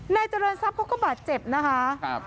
นายเจริญทรัพย์เขาก็บาดเจ็บนะคะ